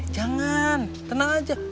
jangan tenang aja